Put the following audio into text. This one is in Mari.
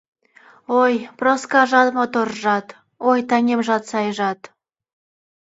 Ой, Проскажат — моторжат, ой, таҥемжат — сайжат!